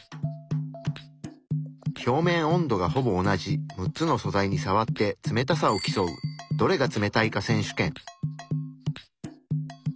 表面温度がほぼ同じ６つの素材にさわって冷たさを競う「どれが冷たいか選手権」。